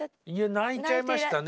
泣いちゃいましたね。